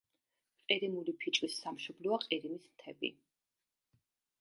ყირიმული ფიჭვის სამშობლოა ყირიმის მთები.